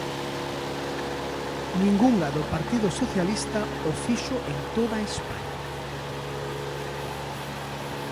Ningunha do Partido Socialista o fixo en toda España.